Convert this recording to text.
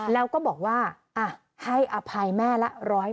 แล้วก็บอกว่าให้อภัยแม่ละ๑๐๐